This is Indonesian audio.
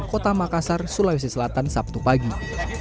kota makassar sulawesi selatan sabtu pagi